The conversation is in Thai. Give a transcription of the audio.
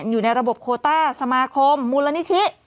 อยู่ในระบบโคต้าสมาคมมูลนิธิ